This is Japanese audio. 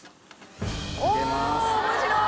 おお面白い！